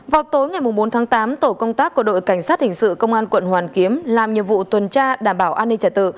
vào tối ngày bốn tháng tám tổ công tác của đội cảnh sát hình sự công an quận hoàn kiếm làm nhiệm vụ tuần tra đảm bảo an ninh trả tự